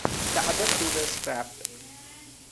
The other two were scrapped.